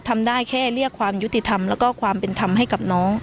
ทำได้แค่เรียกความยุติธรรมแล้วก็ความเป็นธรรมให้กับน้อง